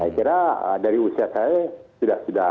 saya kira dari usia saya sudah sudah sudah